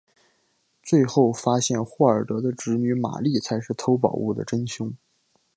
最后发现霍尔德的侄女玛丽才是偷宝物的真凶。